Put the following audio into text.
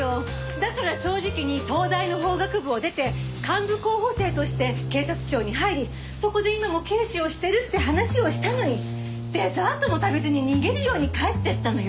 だから正直に東大の法学部を出て幹部候補生として警察庁に入りそこで今も刑事をしているって話をしたのにデザートも食べずに逃げるように帰っていったのよ？